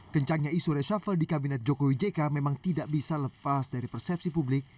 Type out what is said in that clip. kencangnya isu reshuffle di kabinet jokowi jk memang tidak bisa lepas dari persepsi publik